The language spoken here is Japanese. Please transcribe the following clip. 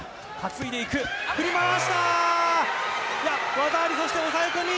技あり、そして抑え込み！